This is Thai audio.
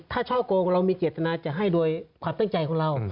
ถ้าช่อโกงเรามีเจตนาจะให้โดยความตั้งใจของเรา